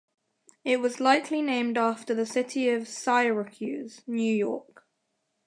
It was likely named after the city of Syracuse, New York.